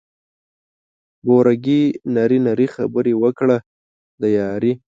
بوره ګي نري نري خبري وکړه د یاري